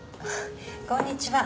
こんにちは。